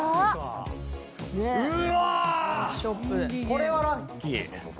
これはラッキー。